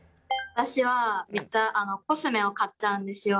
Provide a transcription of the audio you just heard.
私はめっちゃコスメを買っちゃうんですよ。